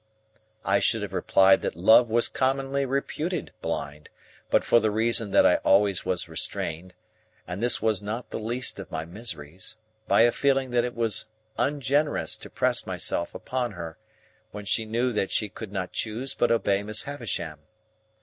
I should have replied that Love was commonly reputed blind, but for the reason that I always was restrained—and this was not the least of my miseries—by a feeling that it was ungenerous to press myself upon her, when she knew that she could not choose but obey Miss Havisham.